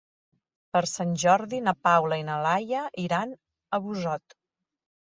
Per Sant Jordi na Paula i na Laia iran a Busot.